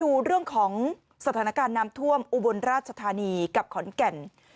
ดูเรื่องของสถานการณ์น้ำท่วมอุบลราชธานีกับขอนแก่น